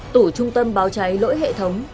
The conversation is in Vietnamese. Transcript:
tủ trung tâm báo cháy lỗi hệ thống